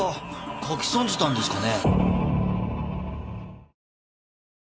書き損じたんですかね？